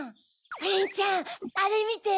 プリンちゃんあれみて。